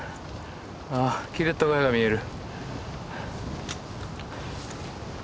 あキレット小屋が見える。